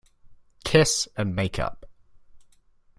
Kiss and make up.